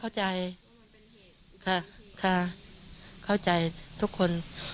เข้าใจค่ะค่ะเข้าใจทุกคน